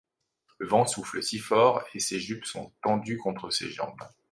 Le vent souffle si fort et ses jupes sont tendues contre ses jambes.